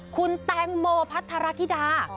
คุณแตงโมพัทรธิดา